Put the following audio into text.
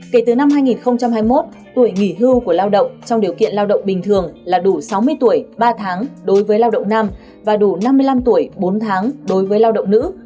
kể từ năm hai nghìn hai mươi một tuổi nghỉ hưu của lao động trong điều kiện lao động bình thường là đủ sáu mươi tuổi ba tháng đối với lao động nam và đủ năm mươi năm tuổi bốn tháng đối với lao động nữ